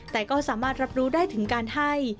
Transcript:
แต่ก็สามารถรับรู้ได้ถึงการให้